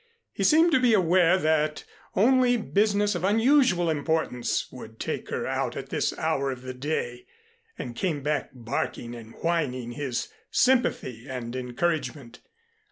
He seemed to be aware that only business of unusual importance would take her out at this hour of the day, and came back barking and whining his sympathy and encouragement.